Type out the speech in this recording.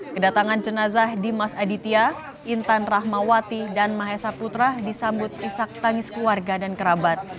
kedatangan jenazah dimas aditya intan rahmawati dan mahesa putra disambut isak tangis keluarga dan kerabat